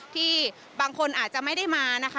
ที่บางคนอาจจะไม่ได้มานะคะ